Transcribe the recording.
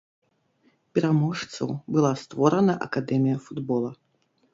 Пераможцаў, была створана акадэмія футбола.